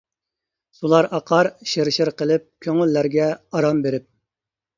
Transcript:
سۇلار ئاقار شىر-شىر قىلىپ، كۆڭۈللەرگە ئارام بېرىپ.